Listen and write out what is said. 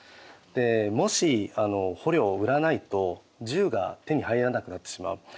もし捕虜を売らないと銃が手に入らなくなってしまう。